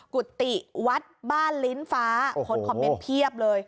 กุฏิวัฒน์บ้านลิ้นฟ้าคนความเป็นเพียบเลย